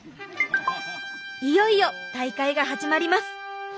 いよいよ大会が始まります。